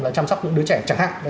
là chăm sóc những đứa trẻ chẳng hạn